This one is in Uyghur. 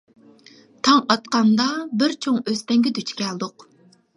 تاڭ ئاتقاندا، بىر چوڭ ئۆستەڭگە دۇچ كەلدۇق.